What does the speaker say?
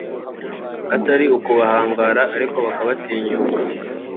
atari ukubahangara ariko bakabatinyuka